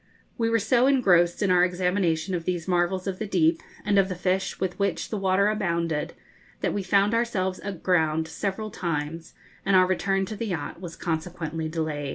We were so engrossed in our examination of these marvels of the deep, and of the fish with which the water abounded, that we found ourselves aground several times, and our return to the yacht was consequently delayed.